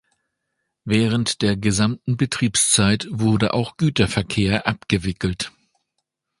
Während der gesamten Betriebszeit wurde auch Güterverkehr abgewickelt.